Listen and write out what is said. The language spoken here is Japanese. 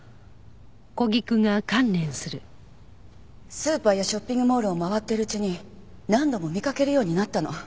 スーパーやショッピングモールを回っているうちに何度も見かけるようになったの。